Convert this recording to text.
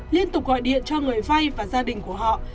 liên tục gọi điện cho người vay và gia đình của họ